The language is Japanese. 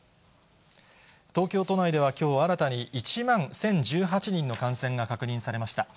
東京都内ではきょう新たに１万１０１８人の感染が確認されました。